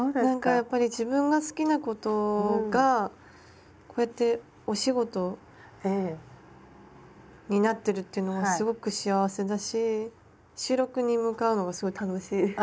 なんかやっぱり自分が好きなことがこうやってお仕事になってるっていうのがすごく幸せだし収録に向かうのがすごい楽しい。